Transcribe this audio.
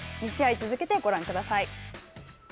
２試合続けてご覧ください。